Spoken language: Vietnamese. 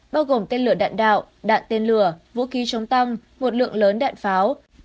bao gồm tên lửa đạn đạo đạn tên lửa vũ khí chống tăng một lượng lớn đạn pháo